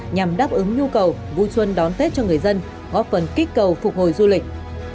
nhằm đáp ứng nhu cầu vui xuân đón tết cho người dân góp phần kích cầu phục hồi du lịch